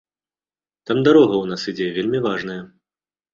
Там дарога ў нас ідзе вельмі важная.